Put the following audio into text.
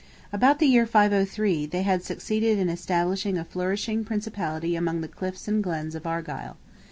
About the year 503, they had succeeded in establishing a flourishing principality among the cliffs and glens of Argyle.